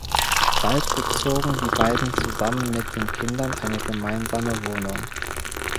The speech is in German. Bald bezogen die beiden zusammen mit den Kindern eine gemeinsame Wohnung.